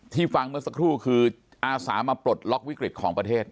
ฟังเมื่อสักครู่คืออาสามาปลดล็อกวิกฤตของประเทศ